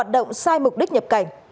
đồng sai mục đích nhập cảnh